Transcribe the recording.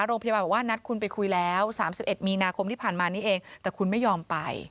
โรงพยาบาลบอกว่านัดคุณไปคุยแล้ว๓๑มีนาคมที่ผ่านมานี้เองแต่คุณไม่ยอมไป